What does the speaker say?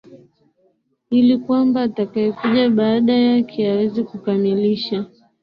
ili kwamba atakayekuja baada yake aweze kukamilisha